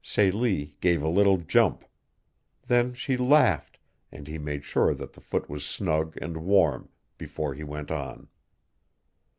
Celie gave a little jump. Then she laughed, and he made sure that the foot was snug and warm before he went on.